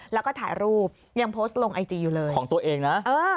แล้วก็ถ่ายรูปยังโพสต์ลงไอจีอยู่เลยของตัวเองนะ